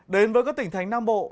đến với các tỉnh thành nam bộ